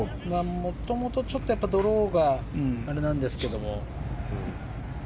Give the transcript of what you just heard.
もともとドローがあれなんですけども。